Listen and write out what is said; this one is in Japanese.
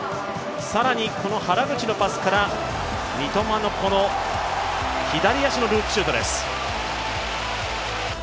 更に原口のパスから三笘の左足のループシュートです。